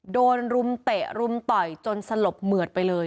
รุมเตะรุมต่อยจนสลบเหมือดไปเลย